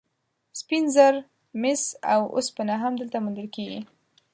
سپین زر، مس او اوسپنه هم دلته موندل کیږي.